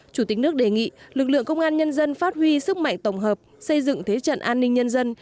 chủ tịch nước đề nghị lực lượng công an nhân dân phát huy sức mạnh tổng hợp xây dựng thế trận an ninh nhân dân